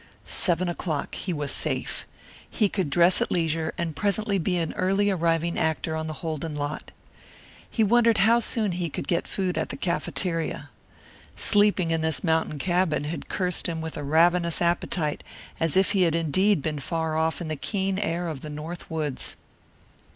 Seven o'clock. He was safe. He could dress at leisure, and presently be an early arriving actor on the Holden lot. He wondered how soon he could get food at the cafeteria. Sleeping in this mountain cabin had cursed him with a ravenous appetite, as if he had indeed been far off in the keen air of the North Woods.